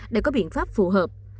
để có biện pháp phù hợp